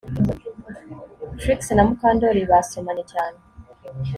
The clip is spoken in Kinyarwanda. Trix na Mukandoli basomanye cyane